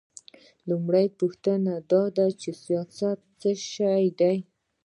لومړۍ پوښتنه دا ده چې سیاست څه شی دی؟